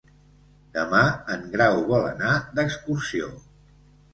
Demà en Grau vol anar d'excursió.